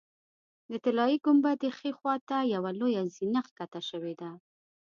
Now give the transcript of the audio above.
د طلایي ګنبدې ښي خوا ته یوه لویه زینه ښکته شوې ده.